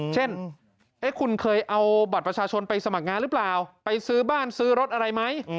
เช่นคุณเคยเอาบัตรประชาชนไปสมัครงานหรือเปล่าไปซื้อบ้านซื้อรถอะไรไหม